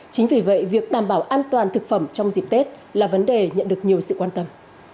chính vì vậy việc đảm bảo an toàn thực phẩm trong dịp tết là vấn đề nhận được nhiều sự quan tâm